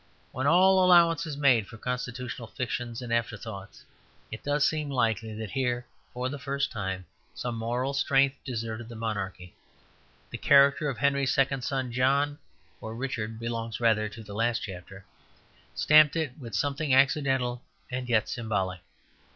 When all allowance is made for constitutional fictions and afterthoughts, it does seem likely that here for the first time some moral strength deserted the monarchy. The character of Henry's second son John (for Richard belongs rather to the last chapter) stamped it with something accidental and yet symbolic.